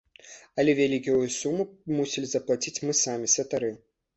Але вялікую суму мусілі заплаціць мы самі, святары.